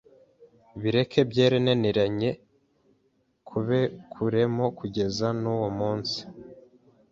bikebe byerenenirenye kubekuremo kugeze n’uyu munsi.